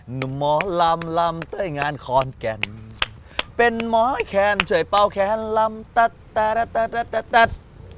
หนุ่มหมอลำลำเต้ยงานคอนแก่นเป็นหมอแคนเจ๋ยเป้าแคนลำตัดตาราตัดตัดตัด